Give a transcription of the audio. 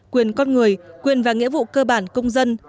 quyền con người quyền và nghĩa vụ cơ bản công dân